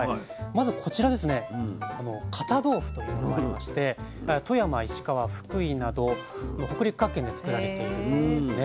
まずこちらですね堅豆腐というものがありまして富山石川福井など北陸各県で作られているんですね。